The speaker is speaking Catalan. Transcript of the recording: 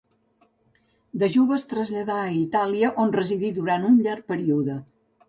De jove es traslladà a Itàlia on residí durant un llarg període.